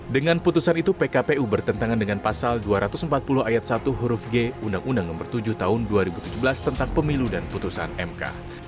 dengan putusan itu pkpu bertentangan dengan pasal dua ratus empat puluh ayat satu huruf g undang undang nomor tujuh tahun dua ribu tujuh belas tentang pemilu dan putusan mk